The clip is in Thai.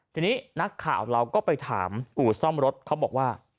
ทีนี้นักข่าวเราก็ไปถามอู่ซ่อมรถเขาบอกว่า